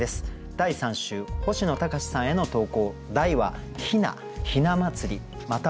第３週星野高士さんへの投稿。